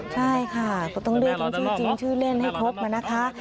ใช่ค่ะก็ต้องเรียกทั้งชื่อจริงชื่อเล่นให้ครบมานะคะ